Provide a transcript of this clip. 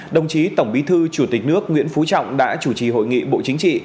đồng chí tổng bí thư chủ tịch nước nguyễn phú trọng đã chủ trì hội nghị bộ chính trị